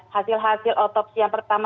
hasil hasil otopsi yang pertama